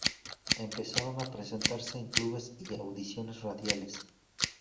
Empezaron a presentarse en clubes y audiciones radiales.